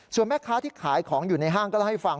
ส่วนแม่ค้าที่ขายของอยู่ในห้างก็เล่าให้ฟัง